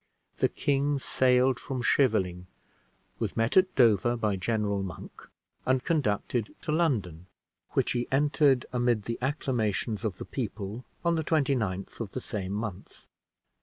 The king sailed from Scheveling, was met at Dover by General Monk, and conducted to London, which he entered amid the acclamations of the people, on the 29th of the same month.